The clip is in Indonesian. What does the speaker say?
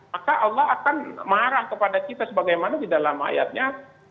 maka allah akan marah kepada kita sebagaimana di dalam ayatnya